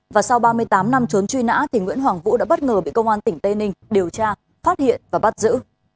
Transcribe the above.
và sau ba mươi tám năm trốn truy nã nguyễn hoàng vũ đã bất ngờ bị công an tỉnh tây ninh điều tra phát hiện và bắt giữ